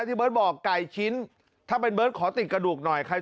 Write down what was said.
เบิร์ตบอกไก่ชิ้นถ้าเป็นเบิร์ตขอติดกระดูกหน่อยใคร